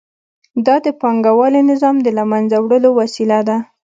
دا د پانګوالي نظام د له منځه وړلو وسیله ده